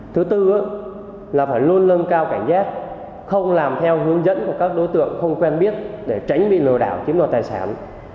thứ tư là phải luôn lân cao cảnh giác không làm theo hướng dẫn của các đối tượng không quen biết để tránh bị lừa đảo chiếm đoạt tài sản